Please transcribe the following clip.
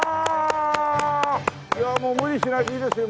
もう無理しないでいいですよ